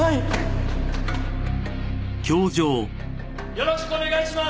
よろしくお願いします。